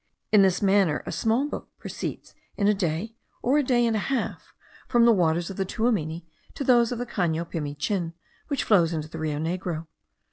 In this manner a small boat proceeds in a day or a day and a half, from the waters of the Tuamini to those of the Cano Pimichin, which flow into the Rio Negro.